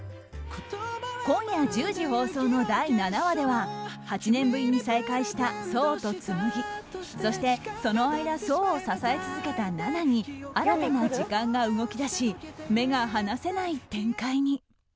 今夜１０時放送の第７話では８年ぶりに再会した想と紬そして、その間想を支え続けた奈々に新たな時間が動き出し目が離せない展開に。